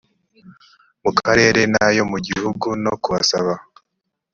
mu karere n ayo mu gihugu no kubasaba